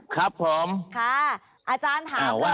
ครับผมอาจารย์ถามเลยนะคะ